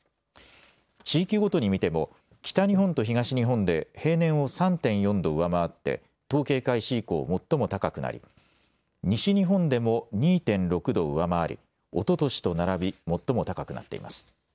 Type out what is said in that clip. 地域ごとに見ても北日本と東日本で平年を３．４度上回って統計開始以降、最も高くなり西日本でも２．６度上回りおととしと並び最も高くなっています。